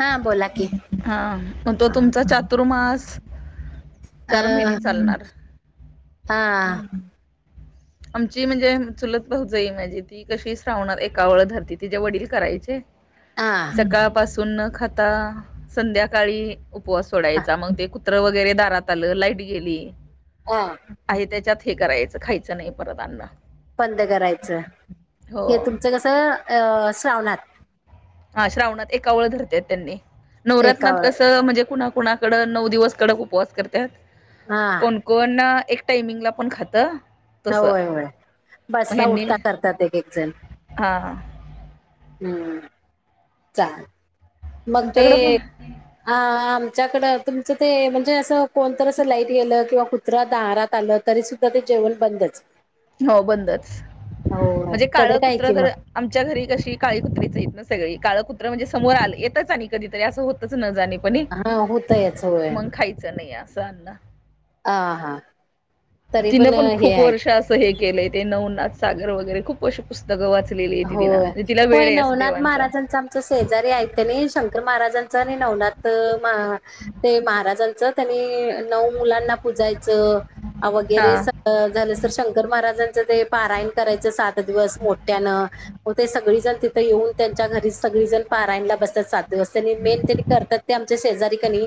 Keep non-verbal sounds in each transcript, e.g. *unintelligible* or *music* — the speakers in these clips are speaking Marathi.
हा बोला की हा मग तो अ तुमचा चातुर्मास चार महिने चालणार हा आमची म्हणजे चुलत भाऊ जाई माझी ती कशी श्रावणार एका वेळ धरती तिचेे वडील करायचे हा सकाळपासून न खाता संध्याकाळी उपवास सोडायचा मग ते कुत्रा दारात आलं लाईट गेली हा आहे त्याच्यात हे करायचं खायच खायच नाही परअन्न बंद करायचं हे हो तुमचं कसं अ श्रावणात श्रावणत एकावळ धरत्यात त्यानी नवरत्नात एकावर कसं म्हणजे कुणा कड नऊ दिवस कडक उपवास करतात हा कोणकोणना एक टाइमिंग ला पण खात होय होय बसता उठता करतात एक एक जण हा चालेल मग ते आमच्याकडे पण ह तुमचाकडं तुमचं ते म्हणजे अस कोणत तर अस लाईट गेल किंवा कुत्र दारात आलं तरीसुद्धा ते केबल बंदच हो बंदच हो म्हणजे काळं कडक आहे कि कुत्रं मग तर आमच्या घरी कशी काळी कुत्रीेच आहेत ना सगळे काळ कुत्र म्हणजे समोर आले येतच आणि कधीतरी असं होतच न जाणे हा होतयच मग खायचं नाही असं अन्न आ हा तरी तिने पण हे खूप आहे वर्ष असं हे केलंय ते नवनाथ सागर वगैरे खूप व पुस्तकं वाच होय, होय नवनाथ महाराजांच आमचा शेजारी आहेत नाही शंकर महाराजांच आणि नव नवनाथ माहा, ते महाराजांच तेनी नऊ मुलांना पुजायचं, वगैरे हा झालं तर शंकर महाराजांच ते पारायन करायचं सात दिवस मोठ्यानं. हो ते सगळीजण तिथं येऊन त्यांच्या घरी सगळीजण पाराला बसतात. सात दिवस त्यांनी मेन त्यांनी करतात ते आमच्या शेजारी कनी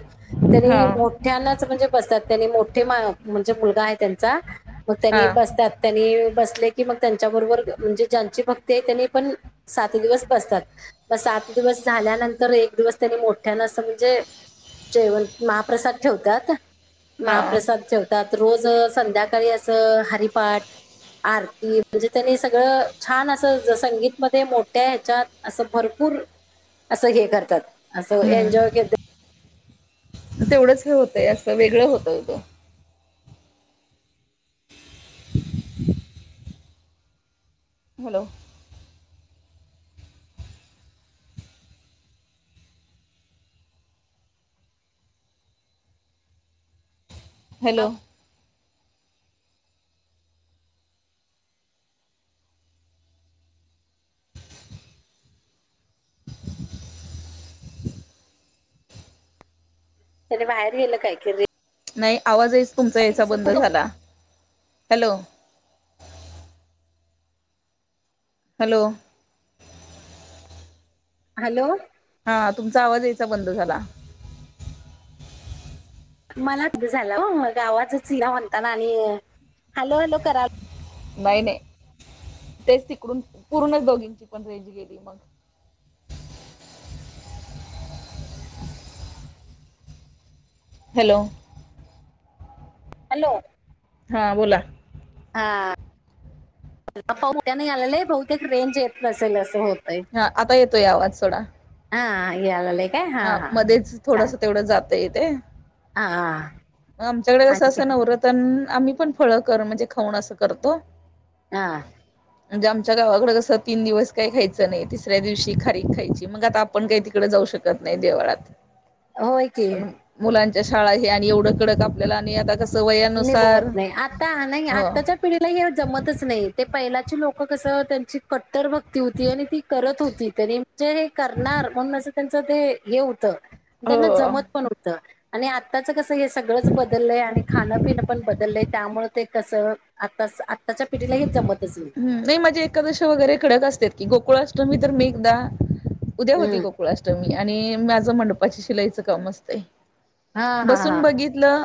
हा त्यांनी मोठ्यांनाच म्हणजे बसत्यात. त्यांनी मोठे म म्हणजे मुलगा आहे त्यांचा म हा त्यांनी बसत्यात त्यांनी बसले की म त्यांच्याबरोबर म्हणजे ज्यांची भक ते त्यांनी पण सात दिवस बसतात म सात दिवस झाल्यानंतर एक दिवस त्यांनी मोठ्यान अस म्हणजे, जेवण महाप्रसाद ठेवतात हा महाप्रसाद ठेवतात. रोज संध्याकाळी असं हरिपाठ. आरती म्हणजे त्यानी सगळं छान असं संगीतमध्ये मोठ्या ह्याच्यात असं भरपूर असं हे करतात. असस हम्म. एइनजॉय केल तेवढंच हे होतंय असं वेगळं होतय ते. *inaudible* हॅलो. हॅलो. त्याने बाहेर गेलं कायकी बाई. नाय आवाजहीच तुमचा याचा बंद झाला, हॅलो. हॅलो. हॅलो. हा तुमचा आवाज यायचा बंद झाला. मलाच झालं हो आवाजच इना म्हणता ना आणि हॅलो हलो कराल नाही नाही, तेच तिकडून पूर्ण दोघींची पण रेंज गेली मग. *inaudible* हॅलो. हॅलो. हा बोला. हा, *unintelligible* आलेलं बहुतेक रेंज येत नसेल असं होत. हा आता येतोय आवाज सोडा. यालल्या. हा मध्येच थोडस तेवढं जातय ते. हा मग आमच्याकडे कस आणि असं नवरतन आम्ही पण फळं कर म्हणजे खाऊन असं करतो. हा. म्हणजे आमच्या गावाकड कसं तीन दिवस काही खायचं नाही तिसऱ्या दिवशी खारीक खायची मग आता आपण काही तिकडे जाऊ शक कत नहीं देवळात, होय की मुला शाळा हे आणि एवढं कडक आपल्याला आणि आता कस निबवत नाही आता नाही हो आताच्या पिढीला हे जमतच नाही ते पहिलाची लोक मग कस त्यांची कट्टर भक्ती होती आणि ती करत होती त्यानी जे करणार म्हणून अस त्यांचं ते हे होत त्यांना हो जमत पण होत. आणि आत्ताच कसं हे सगळंच बदललंय आणि खाण पिण पण बदललेय त्यामुळे ते कस आता आत्ताच्या पिढीला हे जमतच हम्म नाही माझे एकादशी वगैरे कडक असत की गोप गोकुळाष्टमी तर मी एकदा उद्या होती हम्म गोकुळाष्टमी आणि माझं मंडपाची शिलाईच काम असतय हा हा बसून हा बघितलं.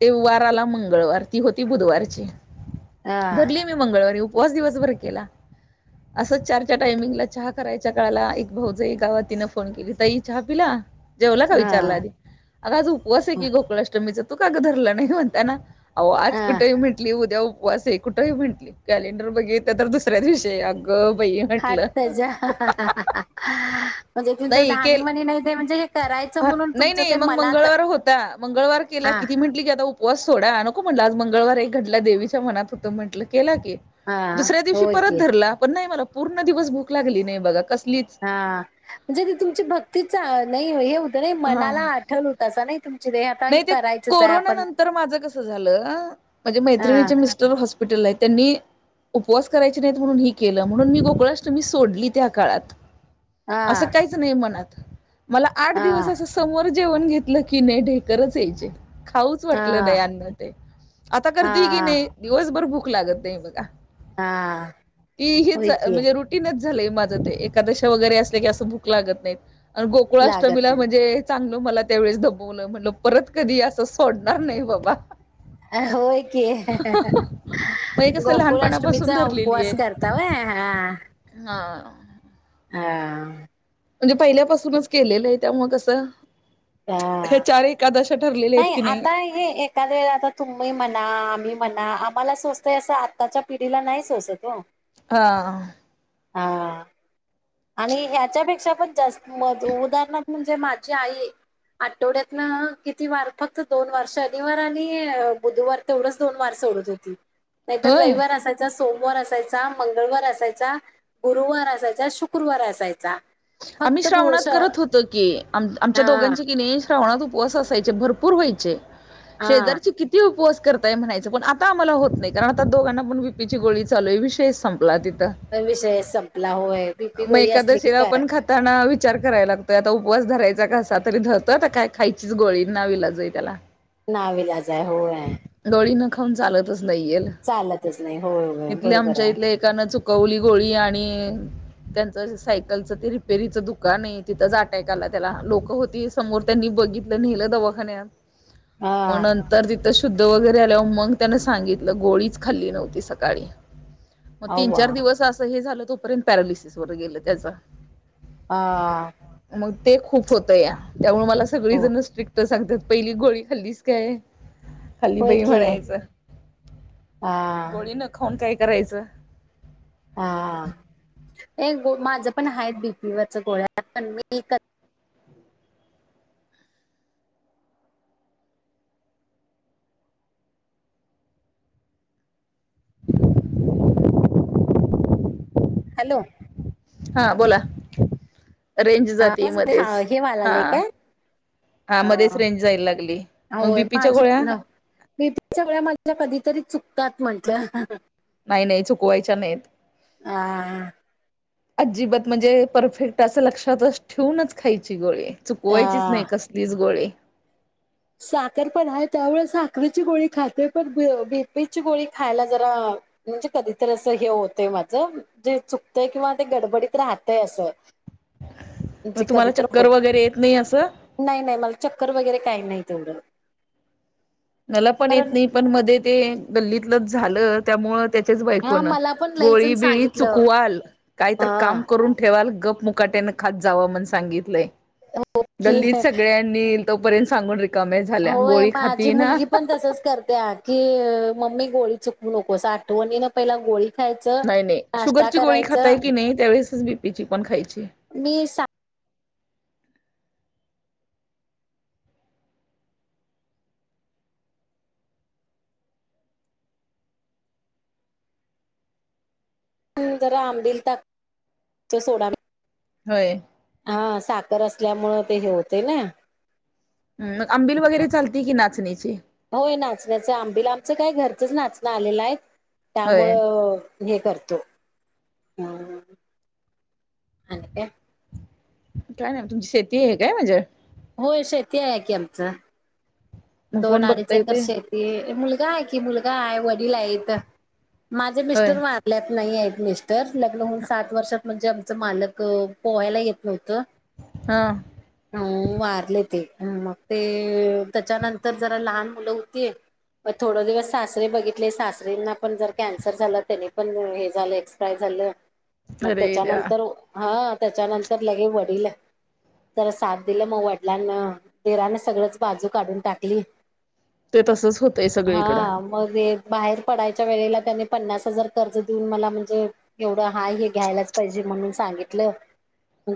ते वार आला मंगळवार ती होती बुधवारची. हा धरली मी मंगळवारी उपवास दिवसभर केला. असंच चारच्या टायमिंगला चहा करायच्या काळाला एक भाऊज गावातीनं फोन केली तई चहा पिला. जेवला का विचारला हा आधी अग आज उपवास आहे की, गोकुळाष्टमीच तू कागं धरलं नाही म्हणताना. अह आज हा कुठेही म्हंटली उद्या उपवास आहे कुठेही म्हटली कॅलेंडर बघितल तर दुसऱ्या दिवशी अ. हाल तेज्या हा हा हा म्हणजे त्यांचा ध्यानी म्हणी नाही ते म्हणजे, करायचं ह म्हणून नाही तुमचं नाही ते मग मनात मंगळवार होता मंगळवार केला हा किती म्हंटली ग, उपवास सोडा नको म्हटलं आज मंगळवार एक घटला देवीच्या मनात होतं म्हटलं. हा दुसऱ्या दिवशी होय परत की धरला पण नाही मला पूर्ण दिवस भूक लागली नाही बघ. हा म्हणजे ती तुमची भक्तीच नाही हे. नाही हा मनाला आठल होता अस नाही तम, नाही ते कोरना नंतर माझं कस झालं म्हणजे हा मैत्रिणी मिस्टर हॉस्पिटल आहे त्यांनी, उपवास करायचे नाहीत म्हणून ही केलं म्हणून मी गोकुळाष्टमी सोडली त्या काळात. असं हा काहीच नाही मनात मला आठ दिवस हा असं समोर जेवण घेतलं की ने ढे खच यायचे खाऊच वाटलं हा नाही अन्न ते आता हा करते की नाही दिवसभर भूक लागत नाही, बघा हा ती हीच होय की म्हणजे रुटीनच झा माझ ते एकादश वगैरे अस की अस भूक लागत नाही आणि लागत गोकुष्टमीला नाही. म्हणजे, चांगल मला त्यावेेळेस दमवलं म्हणल परत कधी असं सोडणार नाही बाबा. होय की ह ह ह पई कस लहानपणापासून धरलेली आहे. ह हा. हा. हा. म्हणजे पहिल्यापासूनच केलेलं आहे त्यामुळ कसं हे हा चार एकादा नाही आता हे एखाद वेळेला आता तुम्ही म्हणा आम्ही म्हणा आम्हाला सोसतय असं आत्ताच्या पिढीला नाही सोसत ओ. हा. हा. आणि ह्याच्यापेक्षा पण जास्त म उदाहरण म्हणजे माझी आई आठवड्यात किती वार फक्त दोन वार शनिवार आणि बुधवार तेवढंच दोन वार सोडत होती नाही होय रविवार असा सोमवार असायचा, मंगळवार असायचा, गुरुवार असायचा, शुक्रवार असायचा. आम्ही फक्त श्रावणात पुरुष करत होतो की आमच्या हा दोघांच कि नाही उपवास असायचे भरपूर व्हायचे. हा शेजारचे किती उपवा करताय म्हणायचं? पण आता आम्हाला होत नाही कारण आता दोघांना पण व बीपीची गोळी चालू आहे विषयच सं पण विषय संपला होय बीपी गोळी असली की काय त्यांना विचार करायला लागतोय आता उपवास धरायचा कसा तरी धरतो काय खायचीच गोळी नाविलाजाई त्याला नावीलाजय होय. गोळी न खाऊन चालतच नाही चालतच नाही होय होय इथल्या बरोबर आमच्या आहे. इथल्यान एकान चु कवली गोळी आणि त्यांचं सायक रिपेरीचं दुकान आहे तिथंच अटॅक आला त्याला लोक होती समोर त्यांनी बघितलं नेलं दवा खान्यात. मग हा नंतर तिथं शुद्ध वगैरे आल्यावर मग त्यान सांगितलं गोळीच खाल्ली नव्हती सकाळी मगं तीन अव्वा चार दिवस असं हे झालं तोपर्यंत पॅरालिसिस वर गेलं त्याच हा. मग ते खूप होत या त्यामुळे मला सगळी हो जण स्ट्रिक्ट सांगतात पहिली गोळी खाल्लीच कायं. खाल्ली होय बाई की म्हणायचं. हा गोळी न खाऊून काय? करायचं? हा. हे गं माझं पण आहे बीपी वरच गोळ्या पण मी कधी हॅलो! हा बोला रेंज जाती मध्येच. हे हा. वालालय काय हा मध्येच रेंज जायला लागली मग होय बीपीच्या माझी गोळ्या बीपीच्या गोळ्या माझ्या कधीतरी चुकतात म्हंटल्या. नाही नाही चुकवायच्या नाहीत. आह. अजिबात म्हणजे परफेक्ट असं लक्षातच ठेवूनच खायची गोळी. चुकवायचीच नाही कसलीच गोळी. साखर पण आहे त्यामुळे साखरची गोळी खाते पण बीपीची गोळी खायला जरा म्हणजे कधीत असं हे होतय माझं जे चुकतंय किंवा ते गडबडीत राहतय असं. मगं म्हणजे तुम्हाला कधीतर चक्कर होत वगैरे येत नाही असं? नाही नाही मला चक्कर वगैरे काही नाही तेवढं. मला पण येत कारण नाही पण मध्ये ते गल्लीतलं झालं त्यामुळे तेच हा बायकोन मला पण लई गोळी जण बिळी सांगितलं चुकवाल काहीतर हा काम करून ठेवाल ग मुकाट्यान खात जावा म्हणून सांगितलंय की गल्लीत सगळ्यांनी तोपर्यंत सांगून रिकमे झाल्या होय गोळी खात माझी मुलगी पण तसच करते ह की मम्मी गोळी चुकवू नकोस आठवणी ना पहिला गोळी खायचं नाही नाही नाश्ता शुगरची गोळी करायचं खाताय की नाही त्यावेळेसच बीपीची पण खायची. मी सा जरा आंबील, ताक, सोडा होय घेते हा. तर असल्यामुळे ते हे होते ना. मग आंबिल वगैरे चालते की नाचणीची होय नाचण्याचं आंबिल आमचं काय घरचंच नाचणं आलेलं आहे. होय त्यामुळेळं हे करतो अ अाणि काय काय नाही तुमची शेती आहे काय म्हणजे होय शेती आहे आहे की आमचं. मग दोन कोण आडीच बघताय एकर ते शेती मुलगा आहे कि मुलगा आहे वडील आहेत. माझे होय मिस्टर वारल्यात नाही आहेत मिस्टर लग्न होऊन सात वर्षात म्हणजे आमच मालक पोहायला येत नव्हत. हा अं वारले ते मग ते त्याच्यानंतर तर जरा लहान मुलं होती. थोडं दिवस सासरे बघितले सासऱ्यांना पण जरा कॅन्सर झालं त्यानी पण हे झालं एक्सप्रायर झालं. मग अरे द्या त्याच्यानंतर हा त्याच्यानंतर लगे वडील जरा साथ दिलं मग वडिलांनी दिराने सगळंच बाजू काढून टाकली. ते तसच होतंय सगळीकडं हा मग एक बाहेर पडायच्या वेळेला त्यानी पन्नास हजार कर्ज देऊन मला म्हणजे एवढं हाय हे घ्यायलाच पाहिजे. म्हणून सांगितलं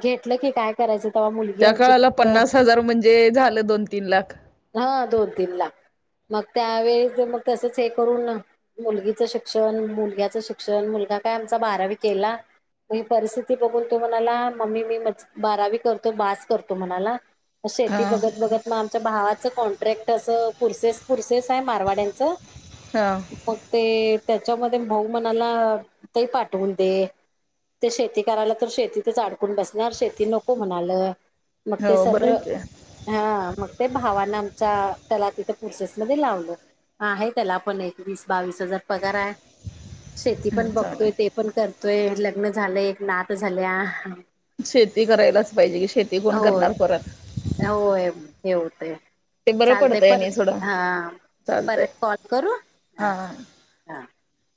घेतलं की काय करायचं. तेव्हा मुलगी त्या आमची काळाला पन्नास हजार म्हणजे झालं दोन तीन लाख हा दोन तीन लाख मग त्यावेळी मग तसंच हे करून मुलगीच शिक्षण मुलग्याच शिक्षण मुलग काय आमचा बारावी केला. ही परिस्थिती बघून तो म्हणाला मम्मी मी म बारावी करतो बास करतो म्हणाला. हा शेती बघत बघत मग आमच्या भावा. कॉन्ट्रॅक्ट अस पुरसेस पुरसेस आहे मारवाड्यांचं हा मग ते त्याच्यामध्ये भाऊ म्हणाला ताई पाठवून दे. ते शेती करायला तर शेतीतच अडकून बसणार शेती नको म्हणाल मग ते हो बरं सरळ आहे की हा मग ते भावाच्या आमच्या त्याला तिथ पुर्सेस मध्ये लावलं. आहे त्याला आपण एक वीस बावीस हजार पगार आहे. शेती हम्म पण बघतोय ते चालेल पण करतोय लग्न झालंय एक नात झाल्या. शेती करायलाच पाहिजे की शेती कोण होय करणार परत होय हे होतय ते बरं चालतय पडतंय पर आणि थोडं हा चालतंय परत कॉल करू हा ह *unintelligible*